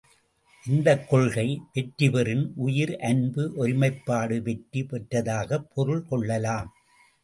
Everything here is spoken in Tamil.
இந்தக் கொள்கை வெற்றி பெறின், உயிர் அன்பு ஒருமைப்பாடு வெற்றி பெற்றதாகப் பொருள் கொள்ளலாம்.